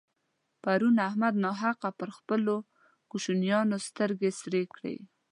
پرون احمد ناحقه پر خپلو کوشنيانو سترګې سرې کړې.